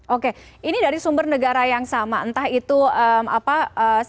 oke ini dari sumber negara yang sama entah itu apa